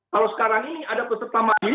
kalau sekarang ini ada peserta mandiri